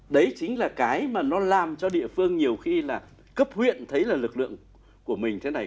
đấy chính là cái mà nó làm cho địa phương nhiều khi là cấp huyện thấy là lực lượng của mình thế này